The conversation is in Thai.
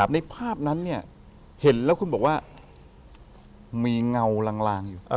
ในภาพนั้นเนี่ยเห็นแล้วคุณบอกว่ามีเงาลางอยู่